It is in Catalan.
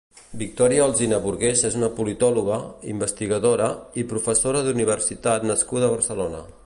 Victòria Alsina Burgués és una politòloga, investigadora i professora d'universitat nascuda a Barcelona.